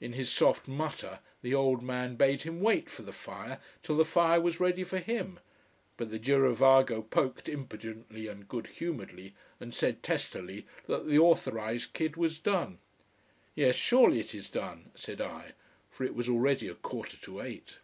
In his soft mutter, the old man bade him wait for the fire till the fire was ready for him. But the girovago poked impudently and good humouredly, and said testily that the authorised kid was done. "Yes, surely it is done," said I, for it was already a quarter to eight.